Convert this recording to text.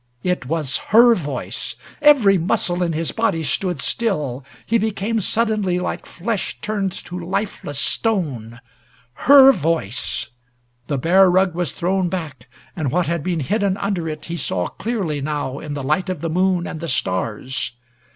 It was her voice! Every muscle in his body stood still. He became suddenly like flesh turned to lifeless stone. Her voice! The bear rug was thrown back and what had been hidden under it he saw clearly now in the light of the moon and the stars.